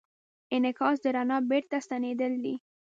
انعکاس د رڼا بېرته ستنېدل دي.